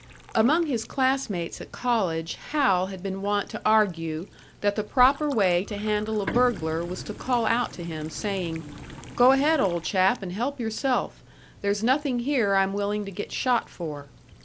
Among his class mates at college, Hal had been wont to argue that the proper way to handle a burglar was to call out to him, saying, "Go ahead, old chap, and help yourself; there's nothing here I'm willing to get shot for."